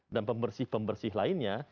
dan pembersih pembersih lainnya